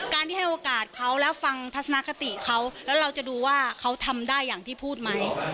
การที่ให้โอกาสเขาและฟังทัศนคติเขาแล้วเราจะดูว่าเขาทำได้อย่างที่พูดไหม